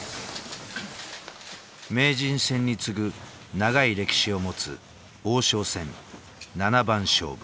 名人戦に次ぐ長い歴史を持つ王将戦七番勝負。